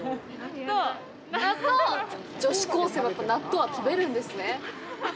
女子高生もやっぱり納豆は食べるんですね！